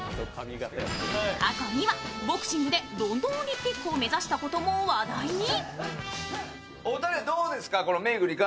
過去には、ボクシングでロンドンオリンピックを目指したことも話題に。